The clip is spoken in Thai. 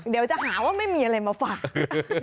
เดี๋ยวจะหาว่าไม่มีอะไรมาฝาก